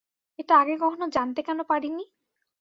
এটা আগে কখনো জানতে কেন পারিনি?